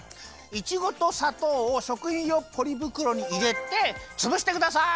いちごとさとうをしょくひんようポリぶくろにいれてつぶしてください！